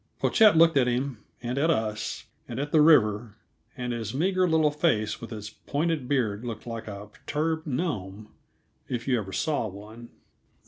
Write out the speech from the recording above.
Pochette looked at him, and at us, and at the river; and his meager little face with its pointed beard looked like a perturbed gnome if you ever saw one.